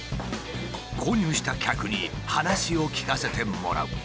購入した客に話を聞かせてもらう。